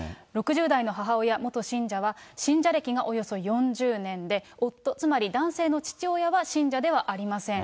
６０代の母親、元信者は信者歴がおよそ４０年で、夫、つまり男性の父親は信者ではありません。